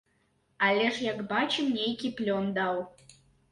Але ж, як бачым, нейкі плён даў.